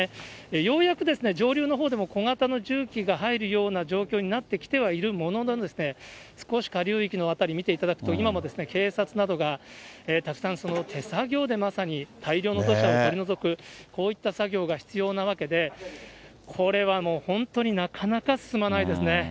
ようやく上流のほうでも小型の重機が入るような状況にはなってきているものの、少し下流域の辺り見ていただくと、今も警察などがたくさん手作業で、まさに大量の土砂を取り除く、こういった作業が必要なわけで、これはもう、本当になかなか進まないですね。